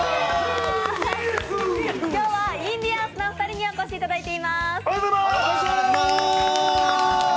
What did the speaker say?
今日はインディアンスのお二人にお越しいただいています。